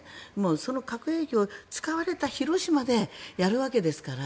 その核兵器を使われた広島でやるわけですから。